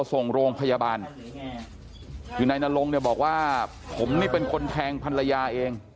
ส่งโรงพยาบาลอยู่ในนรงบอกว่าผมนี่เป็นคนแทงพันละยาเอง